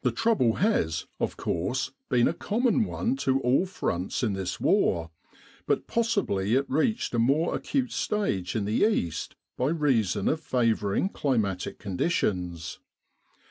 The trouble has, of course, been a common one to all fronts in this war, but possibly it reached a more acute stage in the East by reason of favouring climatic conditions.